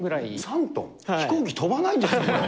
飛行機飛ばないんじゃないの？